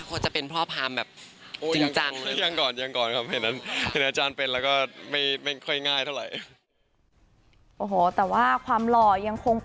จะเป็นพ่อพามแบบจริงจัง